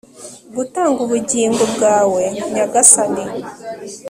gutanga ubugingo bwawe nyagasani